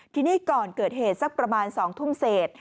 ทีนี้ก่อนเกิดเหตุสักประมาณ๒ทุ่มเศษ